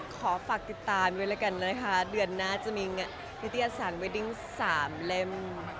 ขอฝากติดตามด้วยแล้วกันนะคะเดือนหน้าจะมีนิตยสารเวดดิ้ง๓เล่ม